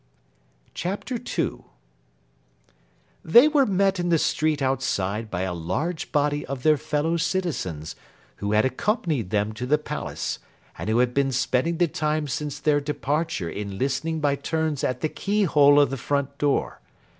CHAPTER II They were met in the street outside by a large body of their fellow citizens, who had accompanied them to the Palace, and who had been spending the time since their departure in listening by turns at the keyhole of the front door.